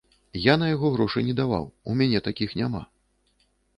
Я на яго грошы не даваў, у мяне такіх няма.